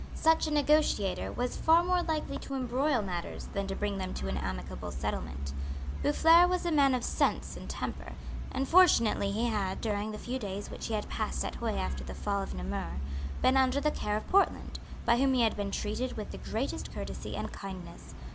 Such a negotiator was far more likely to embroil matters than to bring them to an amicable settlement. Boufflers was a man of sense and temper; and fortunately he had, during the few days which he had passed at Huy after the fall of Namur, been under the care of Portland, by whom he had been treated with the greatest courtesy and kindness.